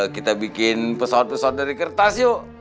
kita bikin pesawat pesawat dari kertas yuk